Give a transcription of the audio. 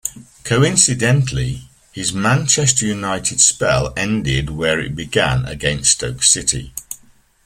Coincidentally, his Manchester United spell ended where it began-against Stoke City.